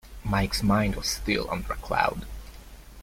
Mike's mind was still under a cloud.